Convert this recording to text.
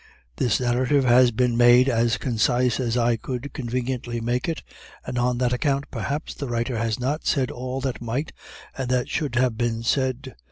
This narrative has been made as concise as I could conveniently make it, and on that account, perhaps, the writer has not said all that might, and that should have been said.